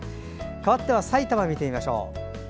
かわってはさいたまを見てみましょう。